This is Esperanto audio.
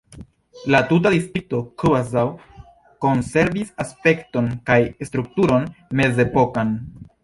La tuta distrikto kvazaŭ konservis aspekton kaj strukturon mezepokan.